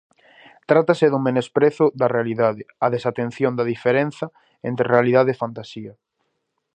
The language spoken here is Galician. Trátase do menosprezo da realidade, a desatención da diferenza entre realidade e fantasía.